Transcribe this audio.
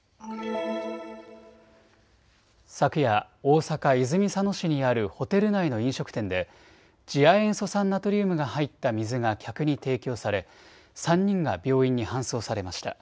昨夜、大阪泉佐野市にあるホテル内の飲食店で次亜塩素酸ナトリウムが入った水が客に提供され３人が病院に搬送されました。